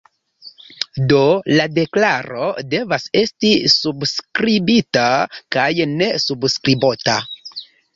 Do, la deklaro devas esti subskribita kaj ne subskribota.